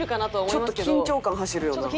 ちょっと緊張感走るよな。